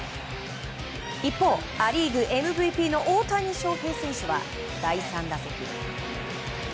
一方、ア・リーグＭＶＰの大谷翔平選手は第３打席。